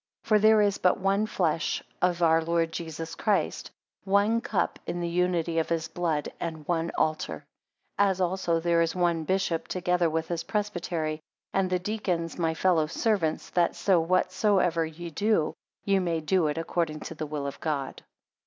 11 For there is but one flesh of our Lord Jesus Christ; one cup in the unity of his blood; and one altar; 12 As also there is one bishop, together with his presbytery, and the deacons my fellow servants that so whatsoever ye do, ye may do it according to the will of God.